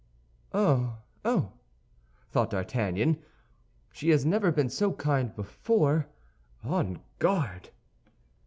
"Oh, oh!" thought D'Artagnan. "She has never been so kind before. On guard!"